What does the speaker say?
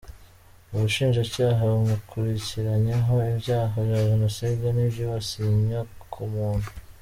Ubushinjacyaha bumukurikiranyeho ibyaha bya jenoside n’ibyibasiye inyokomuntu.